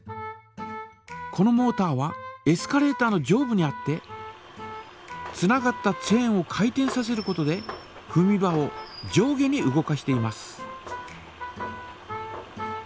このモータはエスカレータ−の上部にあってつながったチェーンを回転させることでふみ場を上下に動かしています。